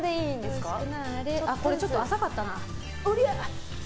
これ、ちょっと浅かったな。